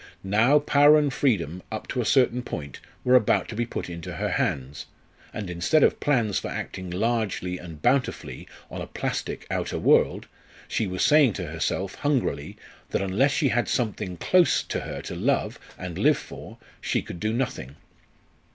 Now power and freedom, up to a certain point, were about to be put into her hands; and instead of plans for acting largely and bountifully on a plastic outer world, she was saying to herself, hungrily, that unless she had something close to her to love and live for, she could do nothing.